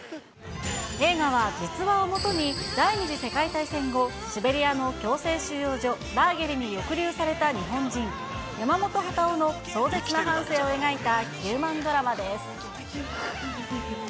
映画は実話をもとに、第２次世界大戦後、シベリアの強制収容所、ラーゲリに抑留された日本人、山本幡男の壮絶な半生を描いたヒューマンドラマです。